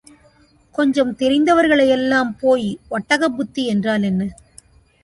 கொஞ்சம் தெரிந்தவர்களை எல்லாம் போய் ஒட்டகப் புத்தி என்றால் என்ன?